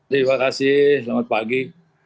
terima kasih selamat pagi